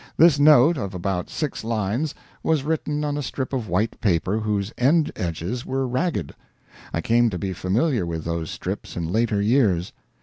This note, of about six lines, was written on a strip of white paper whose end edges were ragged. I came to be familiar with those strips in later years.